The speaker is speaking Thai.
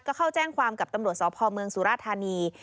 ก็เข้าแจ้งความกับตำรวจสพเมืองสุราธานี